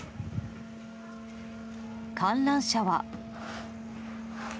観覧車は。